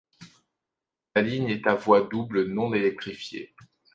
La ligne est à voie double non-électrifiée.